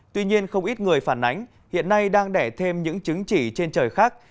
tuy nhiên không ít người phản ánh hiện nay đang đẻ thêm những chứng chỉ trên trời khác